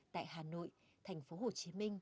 tại hà nội tp hcm